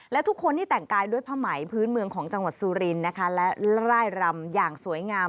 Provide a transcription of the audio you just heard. และทุกคนที่แต่งกายด้วยผ้าไหมพื้นเมืองของจังหวัดสุรินนะคะและร่ายรำอย่างสวยงาม